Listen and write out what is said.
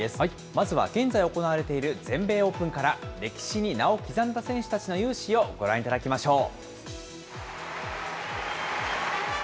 まずは現在行われている全米オープンから、歴史に名を刻んだ選手たちの雄姿をご覧いただきましょう。